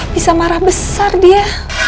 bisa marah besar dia